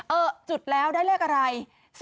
จุดแล้วได้เลขอะไร